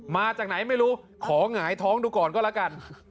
มาจากไหนไม่รู้ขอหงายท้องดูก่อนก็แล้วกัน